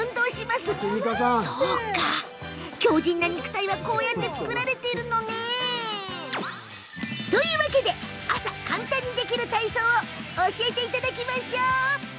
あの強じんな肉体はこうやって作られているのね。というわけで朝、簡単にできる体操を教えていただきます。